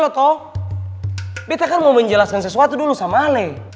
eh btw dress cupnya warna ungu loh